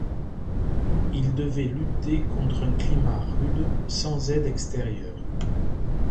Ils devaient lutter contre un climat rude sans aide extérieure.